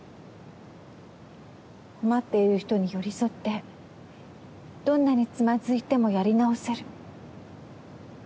困っている人に寄り添ってどんなにつまずいてもやり直せる。